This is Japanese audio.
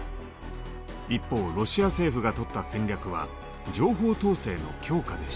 一方ロシア政府がとった戦略は情報統制の強化でした。